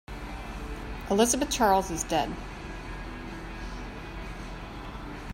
Elizabeth Charles is dead.